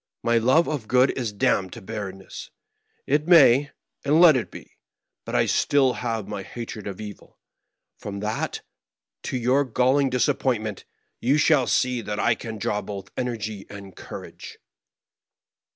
My love of good is damned to bg rrenness ; it may, and let it be 1 But I have still my hatred of evil ; and from that, to your galling disappointment, you shall see that I can draw both energy and courage."